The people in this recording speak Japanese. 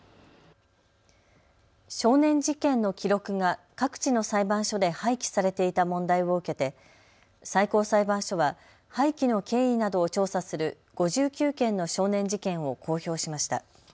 少年事件の記録が各地の裁判所で廃棄されていた問題を受けて最高裁判所は廃棄の経緯などを調査する５９件の少年事件を公表しました。